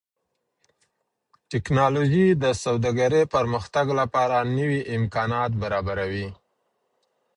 ټکنالوژي د سوداګرۍ پرمختګ لپاره نوي امکانات برابروي.